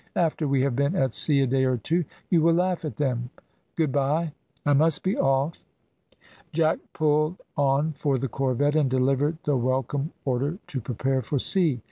After we have been at sea a day or two you will laugh at them. Good bye, I must be off." Jack pulled on for the corvette, and delivered the welcome order to prepare for sea.